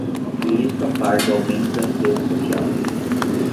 e isto a par do aumento da riqueza social